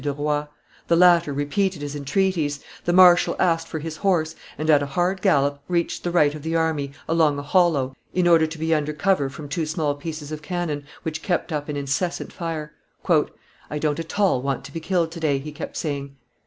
de Roye; the latter repeated his entreaties; the marshal asked for his horse, and, at a hard gallop, reached the right of the army, along a hollow, in order to be under cover from two small pieces of cannon, which kept up an incessant fire. "I don't at all want to be killed to day," he kept saying.